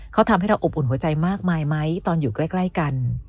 เขาทำให้เราอบอุ่นหัวใจมากมายไหมตอนอยู่ใกล้กัน